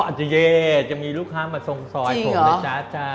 อาจจะเย่จะมีลูกค้ามาทรงซอยผมนะจ๊ะ